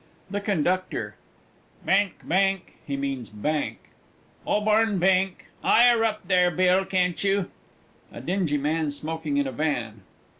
_) THE CONDUCTOR. Benk, benk! (he means "Bank") 'Oborn, benk! 'Igher up there, Bill, can't you? A DINGY MAN SMOKING, IN A VAN.